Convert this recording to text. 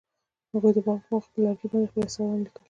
هغوی د باغ پر لرګي باندې خپل احساسات هم لیکل.